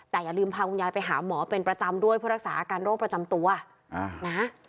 แต่อย่าลืมพาคุณยายไปหาหมอเป็นประจำด้วยเพื่อรักษาอาการโรคประจำตัวนะ